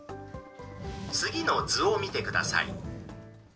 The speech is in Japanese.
次の図を見てください。